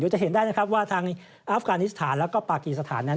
เดี๋ยวจะเห็นได้ว่าทางอัฟกานิสถานแล้วก็ปากีสถานนั้น